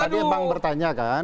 tadi bang bertanya kan